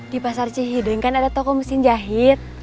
di pasar cihideng kan ada toko mesin jahit